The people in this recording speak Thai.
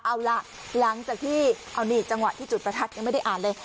เอาล่ะหลังจากที่เอานี่จังหวะที่จุดประทัดยังไม่ได้อ่านเลย